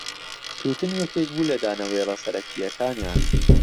تووتن یەکێک بوو لە دانەوێڵە سەرەکییەکانیان.